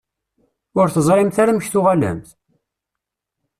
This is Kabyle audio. Ur teẓrimt ara amek tuɣalemt?